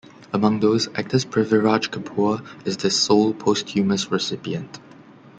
Among those, actor Prithviraj Kapoor is the sole posthumous recipient.